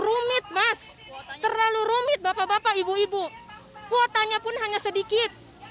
rumit mas terlalu rumit bapak bapak ibu ibu kuotanya pun hanya sedikit